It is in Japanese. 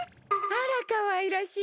あらかわいらしい。